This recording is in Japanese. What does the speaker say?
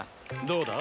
どうだ？